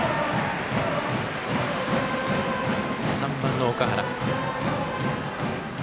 ３番の岳原。